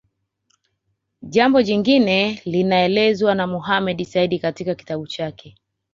Jambo jingine linaelezwa na Mohamed Said katika kitabu chake